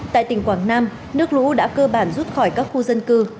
tại tỉnh quảng nam nước lũ đã cơ bản rút khỏi các khu dân cư